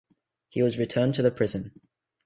He was returned to the prison.